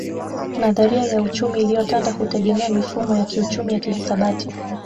Nadharia ya uchumi iliyotanda hutegemea mifumo ya kiuchumi ya kihisabati